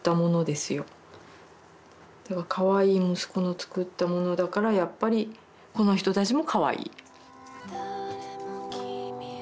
かわいい息子の作ったものだからやっぱりこの人たちもかわいい。